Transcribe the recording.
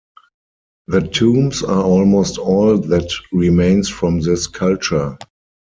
The tombs are almost all that remains from this culture.